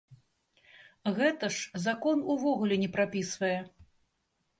Гэта ж закон увогуле не прапісвае!